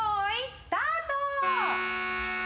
スタート。